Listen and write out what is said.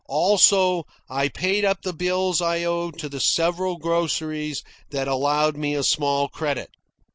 Also, I paid up the bills I owed to the several groceries that allowed me a small credit.